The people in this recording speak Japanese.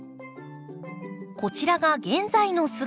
こちらが現在の姿。